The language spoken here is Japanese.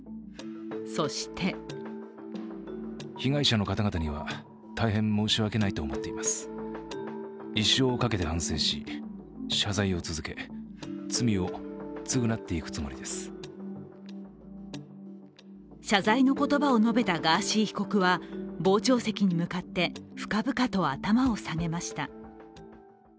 そして謝罪の言葉を述べたガーシー被告は傍聴席に向かって深々と頭を下げました。